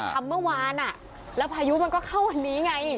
ทำเมื่อวานแล้วพายุมันก็เข้าวันนี้ไง